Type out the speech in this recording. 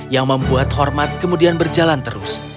yang membuat hormat kemudian berjalan terus